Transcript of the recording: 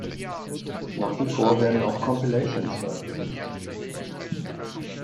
Nach wie vor werden auch Compilations veröffentlicht.